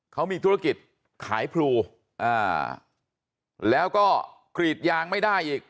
เขามีธุรกิจขายพลูอ่าแล้วก็กรีดยางไม่ได้อีก